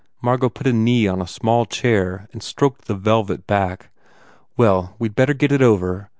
Margot put a knee on a small chair and stroked the velvet back. "Well, we d better get it over.